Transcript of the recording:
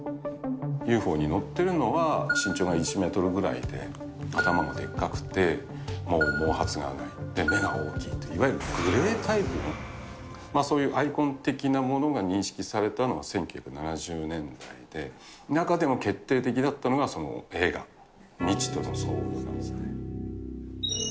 ＵＦＯに乗ってるのは、身長が１メートルぐらいで、頭がでっかくて、もう毛髪がない、目が大きいという、いわゆるグレイタイプのそういうアイコン的なものが認識されたのは１９７０年代で、中でも決定的だったのがその映画、未知との遭遇なんですね。